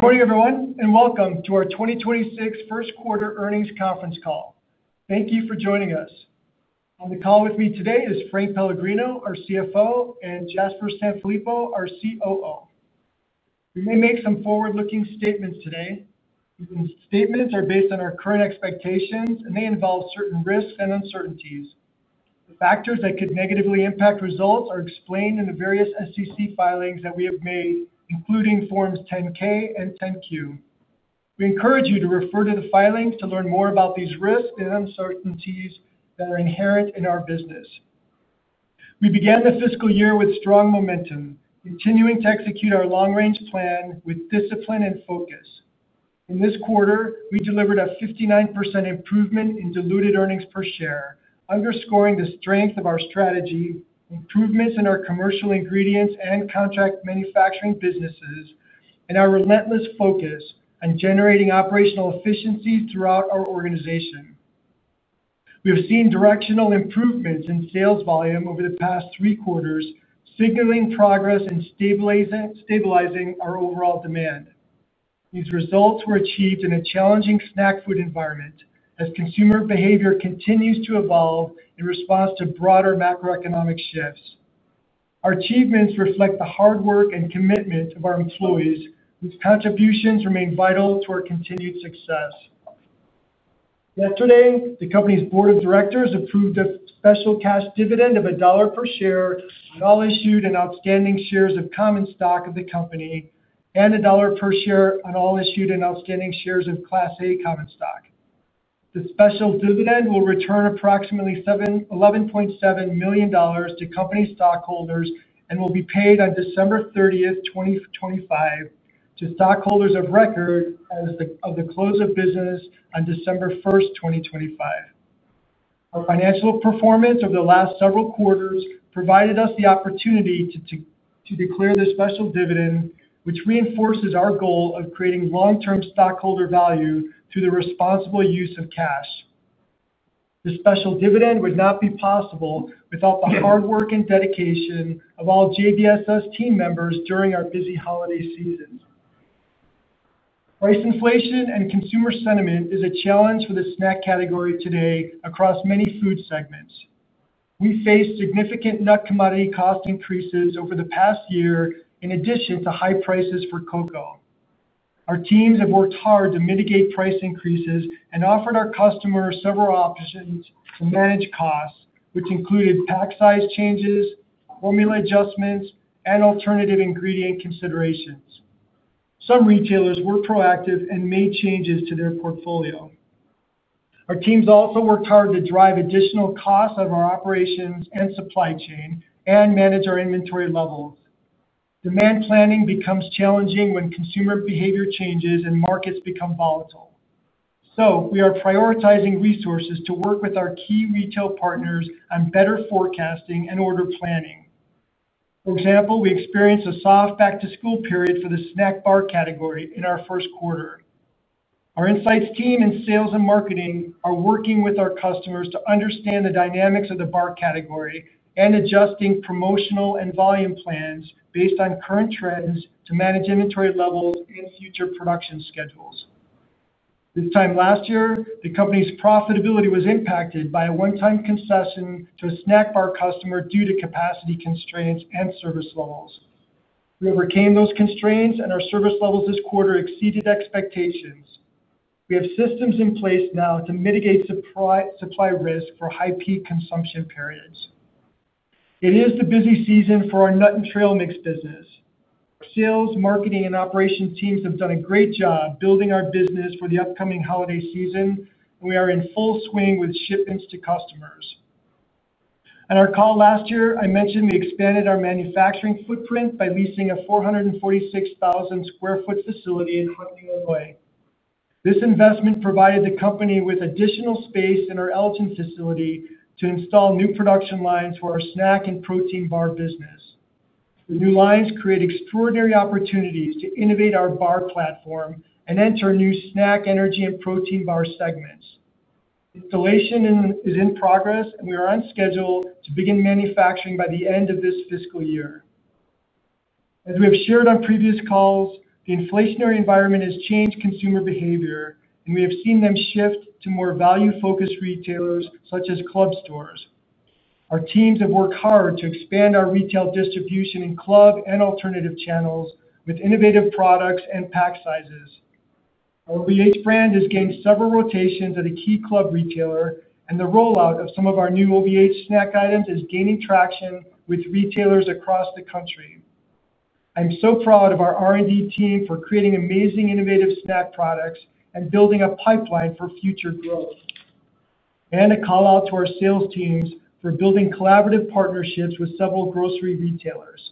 Good morning everyone and welcome to our 2026 first quarter earnings conference call. Thank you for joining us. On the call with me today is Frank Pellegrino, our CFO, and Jasper Sanfilippo, our COO. We may make some forward-looking statements today. Statements are based on our current expectations and they involve certain risks and uncertainties. Factors that could negatively impact results are explained in the various SEC filings that we have made, including Forms 10-K and 10-Q. We encourage you to refer to the filings to learn more about these risks and uncertainties that are inherent in our business. We began the fiscal year with strong momentum, continuing to execute our long-range plan with discipline and focus. In this quarter we delivered a 59% improvement in diluted earnings per share, underscoring the strength of our strategy, improvements in our commercial ingredients and contract manufacturing businesses, and our relentless focus on generating operational efficiency throughout our organization. We have seen directional improvements in sales volume over the past three quarters, signaling progress and stabilizing our overall demand. These results were achieved in a challenging snack food environment as consumer behavior continues to evolve and in response to broader macroeconomic shifts. Our achievements reflect the hard work and commitment of our employees whose contributions remain vital to our continued success. Yesterday, the Company's Board of Directors approved a special cash dividend of $1 per share on all issued and outstanding shares of common stock of the company and $1 per share on all issued and outstanding shares of Class A common stock. The special dividend will return approximately $11.7 million to company stockholders and will be paid on December 30, 2025 to stockholders of record at the close of business on December 1, 2025. Our financial performance over the last several quarters provided us the opportunity to declare this special dividend which reinforces our goal of creating long-term stockholder value through the responsible use of cash. This special dividend would not be possible without the hard work and dedication of all JBSS team members during our busy holiday season. Price inflation and consumer sentiment is a challenge for the snack category today. Across many food segments, we faced significant nut commodity cost increases over the past year. In addition to high prices for cocoa, our teams have worked hard to mitigate price increases and offered our customers several options to manage costs, which included pack size adjustments, formula changes, and alternative ingredient considerations. Some retailers were proactive and made changes to their portfolio. Our teams also worked hard to drive additional costs out of our operations and supply chain and manage our inventory levels. Demand planning becomes challenging when consumer behavior changes and markets become volatile, so we are prioritizing resources to work with our key retail partners on better forecasting and order planning. For example, we experienced a soft back-to-school period for the snack bar category in our first quarter. Our Insights team in Sales and Marketing are working with our customers to understand the dynamics of the bar category and adjusting promotional and volume plans based on current trends to manage inventory levels and future production schedules. This time last year, the company's profitability was impacted by a one-time concession to a snack bar customer due to capacity constraints and service levels. We overcame those constraints, and our service levels this quarter exceeded expectations. We have systems in place now to mitigate supply risk for high peak consumption periods. It is the busy season for our nut and trail mix business. Our Sales, Marketing, and Operations teams have done a great job building our business for the upcoming holiday season, and we are in full swing with shipments to customers. On our call last year, I mentioned we expanded our manufacturing footprint by leasing a 446,000 square foot facility in Elgin, Illinois. This investment provided the company with additional space in our Elgin facility to install new production lines for our snack and protein bar business. The new lines create extraordinary opportunities to innovate our bar platform and enter new snack, energy, and protein bar segments. Installation is in progress, and we are on schedule to begin manufacturing by the end of this fiscal year. As we have shared on previous calls, the inflationary environment has changed consumer behavior, and we have seen them shift to more value-focused retailers such as club stores. Our teams have worked hard to expand our retail distribution in club and alternative retail channels with innovative products and pack sizes. Our OVH brand has gained several rotations at a key club retailer, and the rollout of some of our new OVH snack items is gaining traction with retailers across the country. I'm so proud of our R&D team for creating amazing, innovative snack products and building a pipeline for future growth, and a call out to our sales teams for building collaborative partnerships with several grocery retailers.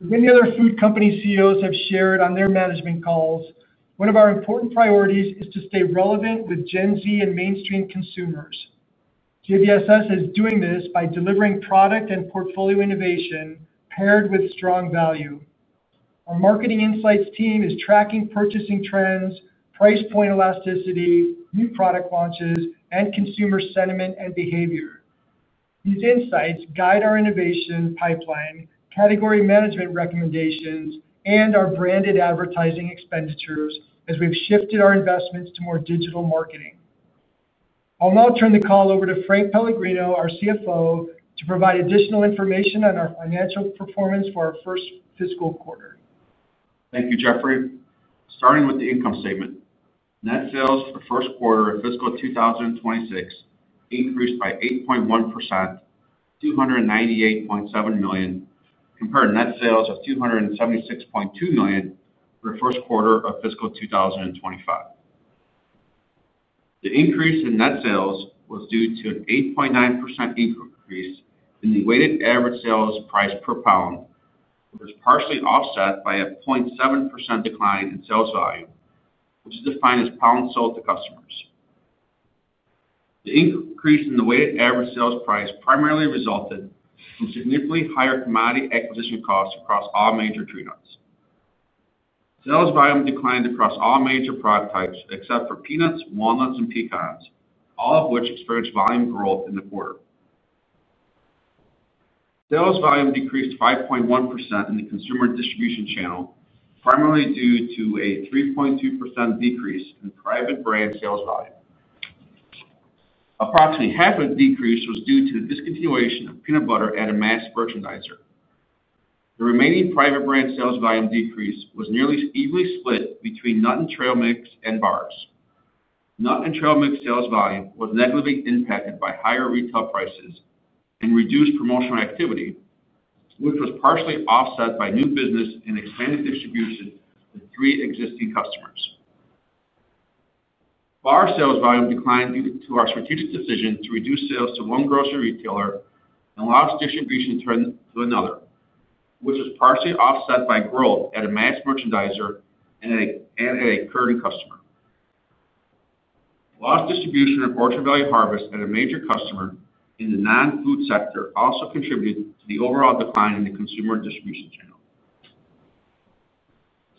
Many other food company CEOs have shared on their management calls, one of our important priorities is to stay relevant with Gen Z and mainstream consumers. JBSS is doing this by delivering product and portfolio innovation paired with strong value. Our Marketing Insights team is tracking purchasing trends, price point elasticity, new product launches, and consumer sentiment and behavior. These insights guide our innovation pipeline, category management recommendations, and our branded advertising expenditures as we've shifted our investments to more digital marketing. I'll now turn the call over to Frank Pellegrino, our CFO, to provide additional information on our financial performance for our first fiscal quarter. Thank you, Jeffrey. Starting with the income statement, net sales for the first quarter of fiscal 2026 increased by 8.1% to $298.7 million compared to net sales of $276.2 million for the first quarter of fiscal 2025. The increase in net sales was due to an 8.9% increase in the weighted average sales price per pound, which is partially offset by a 0.7% decline in sales volume, which is defined as pounds sold to customers. The increase in the weighted average sales price primarily resulted from significantly higher commodity acquisition costs across all major tree nuts. Sales volume declined across all major product types except for peanuts, walnuts, and pecans, all of which experienced volume growth in the quarter. Sales volume decreased 5.1% in the consumer distribution channel, primarily due to a 3.2% decrease in private brand sales volume. Approximately half of the decrease was due to the discontinuation of peanut butter at a mass merchandiser. The remaining private brand sales volume decrease was nearly evenly split between nut and trail mix and bars, nut and trail mix. Sales volume was negatively impacted by higher retail prices and reduced promotional activity, which was partially offset by new business and expanded distribution to three existing customers. Bar sales volume declined due to our strategic decision to reduce sales to one grocery retailer and lost distribution to another, which was partially offset by growth at a mass merchandiser and at a current customer. Lost distribution of Orchard Valley Harvest at a major customer in the non-food sector also contributed to the overall decline in the consumer distribution channel.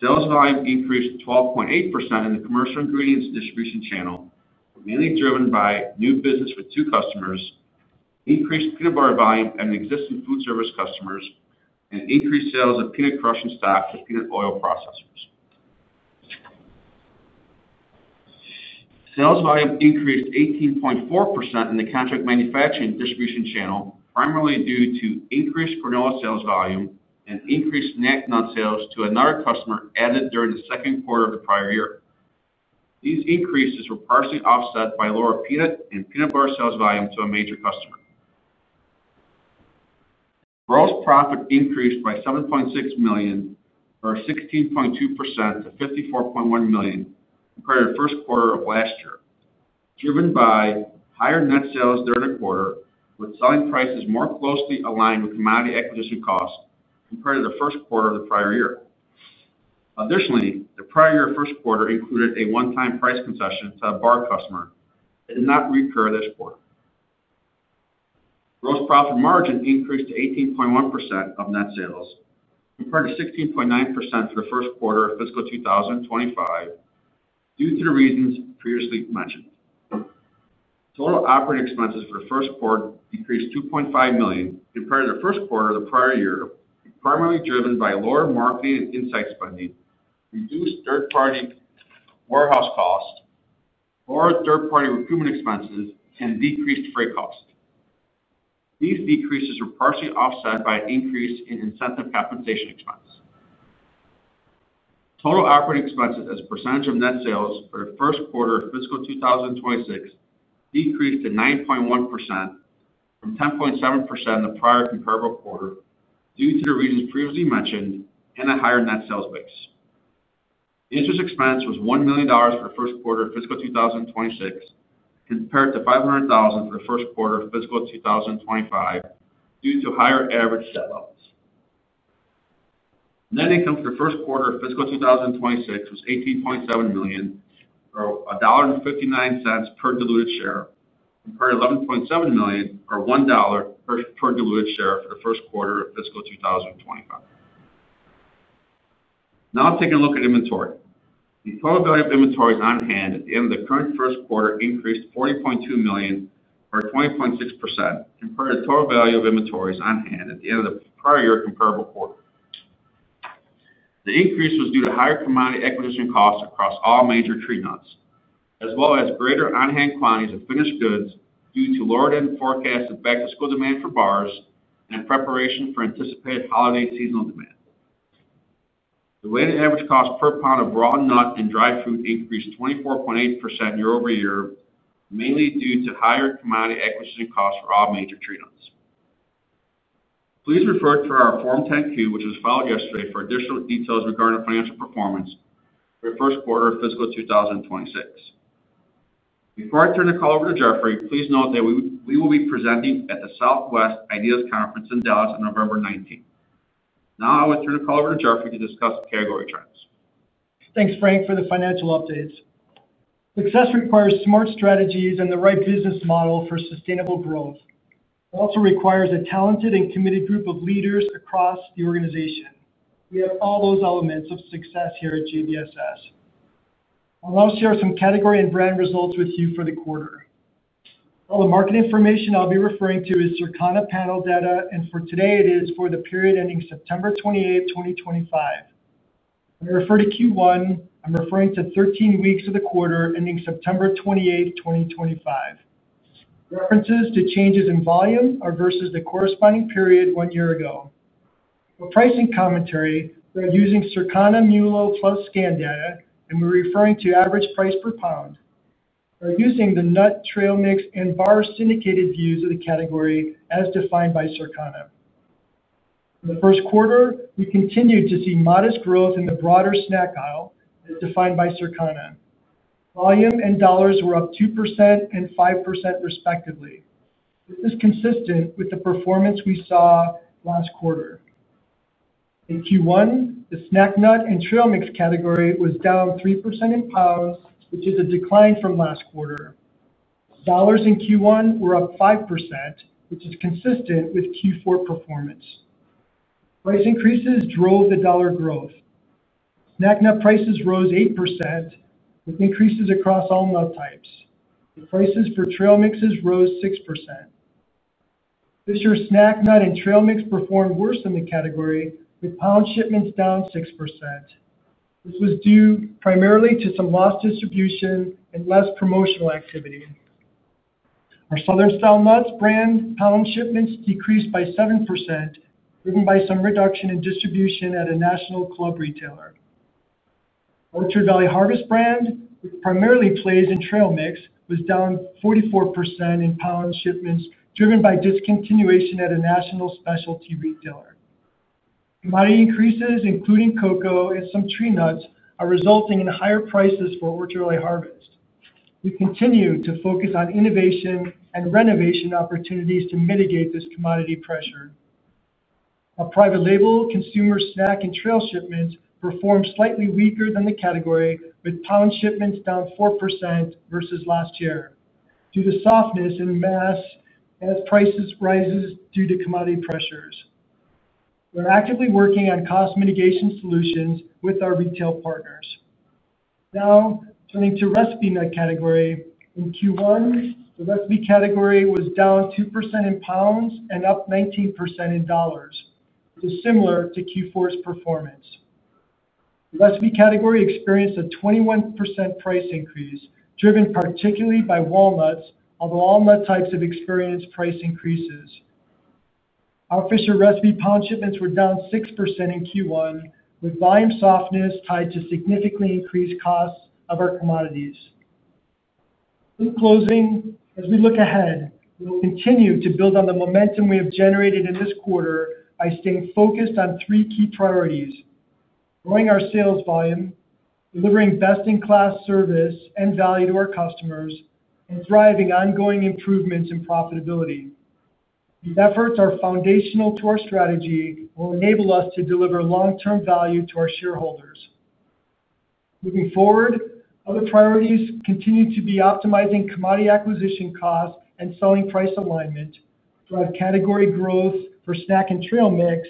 Sales volume increased 12.8% in the commercial ingredients distribution channel, mainly driven by new business with two customers, increased peanut butter volume in existing food service customers, and increased sales of peanut crushing stock to peanut oil processors. Sales volume increased 18.4% in the contract manufacturing distribution channel, primarily due to increased granola sales volume and increased snack nut sales to another customer added during the second quarter of the prior year. These increases were partially offset by lower peanut and peanut bar sales volume to a major customer. Gross profit increased by $7.6 million, or 16.2%, to $54.1 million compared to the first quarter of last year, driven by higher net sales during the quarter with selling prices more closely aligned with commodity acquisition costs compared to the first quarter of the prior year. Additionally, the prior year first quarter included a one-time price concession to a bar customer that did not recur this quarter. Gross profit margin increased to 18.1% of net sales compared to 16.9% for the first quarter of fiscal 2025 due to the reasons previously mentioned. Total operating expenses for the first quarter decreased $2.5 million compared to the first quarter of the prior year, primarily driven by lower marketing and insights funding, reduced third-party warehouse costs, lower third-party recruitment expenses, and decreased freight costs. These decreases were partially offset by an increase in incentive compensation expense. Total operating expenses as a percentage of net sales for the first quarter of fiscal 2026 decreased to 9.1% from 10.7% in the prior comparable quarter due to the reasons previously mentioned and a higher net sales base. Interest expense was $1 million for the first quarter of fiscal 2026 compared to $0.5 million for the first quarter of fiscal 2025 due to higher average debt levels. Net income for the first quarter of fiscal 2026 was $18.7 million, or $1.59 per diluted share, compared to $11.7 million, or $1 per diluted share, for the first quarter of fiscal 2025. Now taking a look at inventory, the total value of inventories on hand at the end of the current first quarter increased $40.2 million, or 20.6%, compared to the total value of inventories on hand at the end of the prior year comparable quarter. The increase was due to higher commodity acquisition costs across all major tree nuts as well as greater on-hand quantities of finished goods due to lower than forecasted back-to-school demand for bars and in preparation for anticipated holiday seasonal demand. The weighted average cost per pound of broad nut and dried fruit increased 24.8% year-over-year, mainly due to higher commodity acquisition costs for all major tree nuts. Please refer to our Form 10-Q, which was filed yesterday, for additional details regarding financial performance for the first quarter of fiscal 2026. Before I turn the call over to Jeffrey, please note that we will be presenting at the Southwest Ideas Conference in Dallas on November 19. Now I will turn the call over to Jeffrey to discuss category trends. Thanks, Frank, for the financial updates. Success requires smart strategies and the right business model for sustainable growth. It also requires a talented and committed group of leaders across the organization. We have all those elements of success here at JBSS. I'll now share some category and brand results with you for the quarter. All the market information I'll be referring to is Circana Panel data and for today it is for the period ending September 28, 2025. When I refer to Q1, I'm referring to 13 weeks of the quarter ending September 28, 2025. References to changes in volume are versus the corresponding period one year ago. For pricing commentary, we're using Circana MULO+ scan data and we're referring to average price per pound. We're using the nut, trail mix and bar syndicated views of the category as defined by Circana. In the first quarter, we continued to see modest growth in the broader snack aisle as defined by Circana. Volume and dollars were up 2% and 5%, respectively. This is consistent with the performance we saw last quarter. In Q1, the snack nut and trail mix category was down 3% in pounds, which is a decline from last quarter. Dollars in Q1 were up 5%, which is consistent with Q4 performance. Price increases drove the dollar growth. Snack nut prices rose 8% with increases across all nut types. Prices for trail mixes rose 6% this year. Snack nut and trail mix performed worse in the category with pound shipments down 6%. This was due primarily to some lost distribution and less promotional activity. Our Southern Style Nuts brand pound shipments decreased by 7%, driven by some reduction in distribution at a national club retailer. Orchard Valley Harvest brand, which primarily plays in trail mix, was down 44% in pound shipments, driven by discontinuation at a national specialty retailer. Commodity increases, including cocoa and some tree nuts, are resulting in higher prices for Orchard Valley Harvest. We continue to focus on innovation and renovation opportunities to mitigate this commodity pressure. Our private label snack and trail mix shipments performed slightly weaker than the category with pound shipments down 4% versus last year due to softness in mass. As prices rise due to commodity pressures, we're actively working on cost mitigation solutions with our retail partners. Now turning to recipe nut category. In Q1, the recipe category was down 2% in pounds and up 19% in dollars. Similar to Q4's performance, recipe category experienced a 21% price increase, driven particularly by walnuts. Although all nut types have experienced price increases, our Fisher recipe nut shipments were down 6% in Q1, with volume softness tied to significantly increased costs of our commodities. In closing, as we look ahead, we will continue to build on the momentum we have generated in this quarter by staying focused on three key areas: growing our sales volume, delivering best-in-class service and value to our customers, and driving ongoing improvements in profitability. These efforts are foundational to our strategy and will enable us to deliver long-term value to our shareholders. Moving forward, other priorities continue to be optimizing commodity acquisition costs and selling price alignment, driving category growth for snack and trail mix,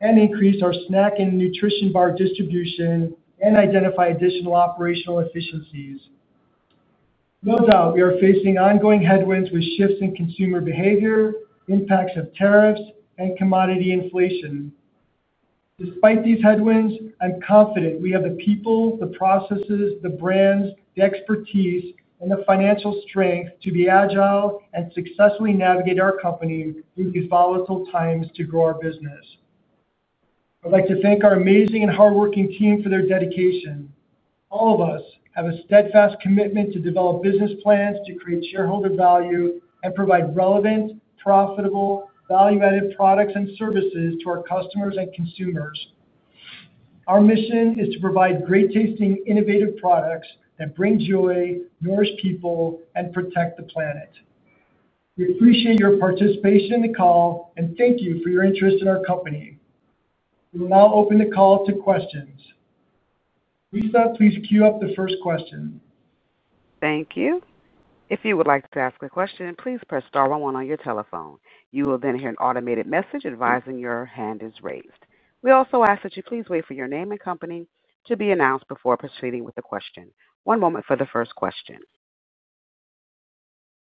increasing our snack and nutrition bar distribution, and identifying additional operational efficiencies. No doubt we are facing ongoing headwinds with shifts in consumer behavior, impacts of tariffs, and commodity inflation. Despite these headwinds, I'm confident we have the people, the processes, the brands, the expertise, and the financial strength to be agile and successfully navigate our company through these volatile times to grow our business. I'd like to thank our amazing and hardworking team for their dedication. All of us have a steadfast commitment to develop business plans to create shareholder value and provide relevant, profitable, value-added products and services to our customers and consumers. Our mission is to provide great-tasting, innovative products that bring joy, nourish people, and protect the planet. We appreciate your participation in the call and thank you for your interest in our company. We will now open the call to questions. Lisa, please cue up the first question. Thank you. If you would like to ask a question, please press star one one on your telephone. You will then hear an automated message advising your hand is raised. We also ask that you please wait for your name and company to be announced before proceeding with the question. One moment for the first question.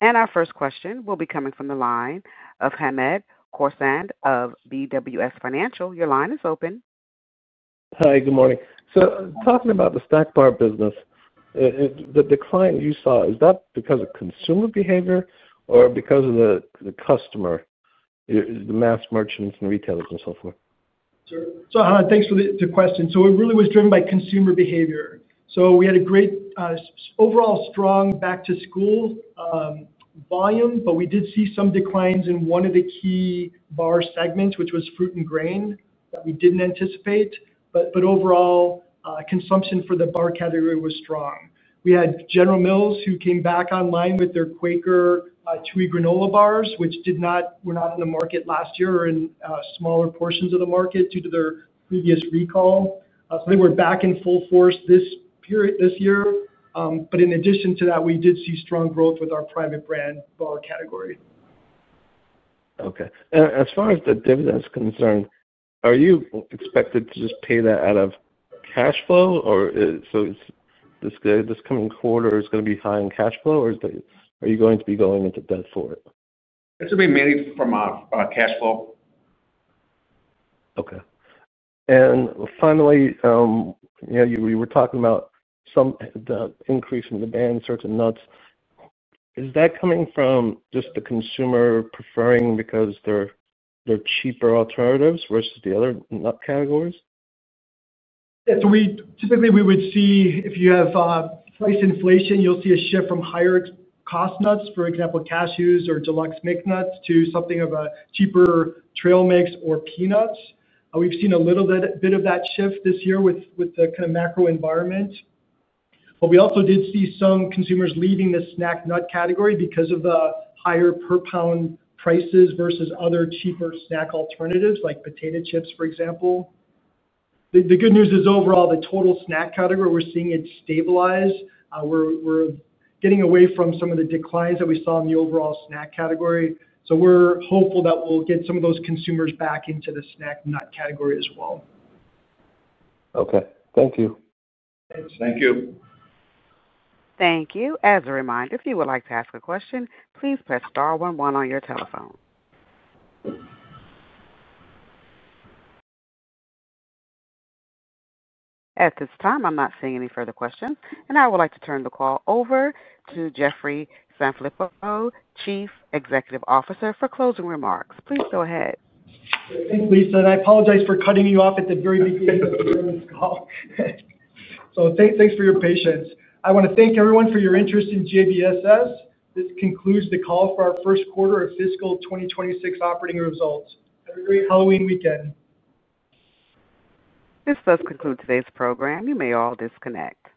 Our first question will be coming from the line of Hamed Corsand of BWS Financial. Your line is open. Hi, good morning. Talking about the private brand bar business, the decline you saw, is that because of consumer behavior or because of the customer, the mass merchants and retailers and so forth? Thanks for the question. It really was driven by consumer behavior. We had a great overall strong back to school volume, but we did see some declines in one of the key bar segments, which was fruit and grain that we didn't anticipate. Overall consumption for the bar category was strong. We had General Mills who came back online with their Quaker Chewy granola bars, which were not in the market last year or in smaller portions of the market due to their previous recall. They were back in full force this period this year. In addition to that, we did see strong growth with our private brand bar category. Okay. As far as the dividend's concerned, are you expected to just pay that out of cash flow or is this coming quarter going to be high in cash flow or are you going to be going into debt for it? It's going to be mainly from cash flow. Okay. Finally, you were talking about some increase in demand. Certain nuts. Is that coming from just the consumer preferring because they're cheaper alternatives versus the other nut categories? Typically we would see if you have price inflation, you'll see a shift from higher cost nuts, for example, cashews, or deluxe mixed nuts, to something of a cheaper trail mix or peanuts. We've seen a little bit of that shift this year with the kind of macro environment, but we also did see some consumers leaving the snack nut category because of the higher per pound prices versus other cheaper snack alternatives like potato chips, for example. The good news is overall, the total snack category, we're seeing it stabilize. We're getting away from some of the declines that we saw in the overall snack category. We're hopeful that we'll get some of those consumers back into the snack nut category as well. Okay. Thank you. Thank you. As a reminder, if you would like to ask a question, please press star one one on your telephone. At this time, I'm not seeing any further questions, and I would like to turn the call over to Jeffrey Sanfilippo, Chief Executive Officer, for closing remarks. Please go ahead. Thanks, Lisa. I apologize for cutting you off at the very beginning of the earnings call. Thanks for your patience. I want to thank everyone for your interest in JBSS. This concludes the call for our first quarter of fiscal 2026 operating results. Have a great Halloween weekend. This does conclude today's program. You may all disconnect.